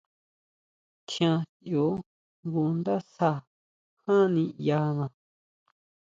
Tjian sʼíu jngu ndásja ján niʼyana.